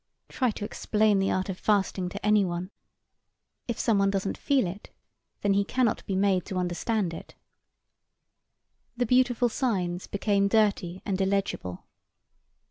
Try to explain the art of fasting to anyone! If someone doesn't feel it, then he cannot be made to understand it. The beautiful signs became dirty and illegible.